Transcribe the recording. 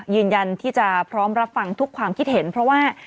ยืนยันที่จะพร้อมรับฟังทุกความคิดเห็นเพราะว่า